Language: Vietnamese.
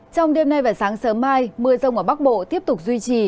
trong đêm nay và sáng sớm mai mưa rông ở bắc bộ tiếp tục duy trì